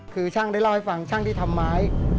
คือช่างได้เล่าให้ฟังช่างที่ทำไม้